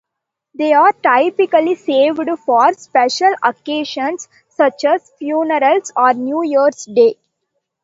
These are typically saved for special occasions such as funerals or New Year's Day.